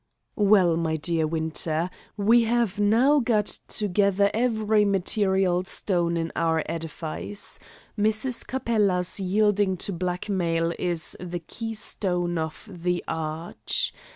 "Well, my dear Winter, we have now got together every material stone in our edifice. Mrs. Capella's yielding to blackmail is the keystone of the arch.